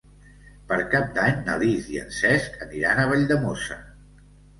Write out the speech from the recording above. Per Cap d'Any na Lis i en Cesc aniran a Valldemossa.